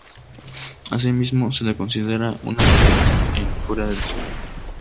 Así mismo, se le considera una estrella en Corea del Sur.